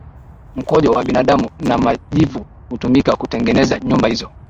mkojo wa binadamu na majivu hutumika kutengeneza nyumba hizo